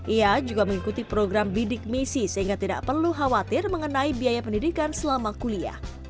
ia juga mengikuti program bidik misi sehingga tidak perlu khawatir mengenai biaya pendidikan selama kuliah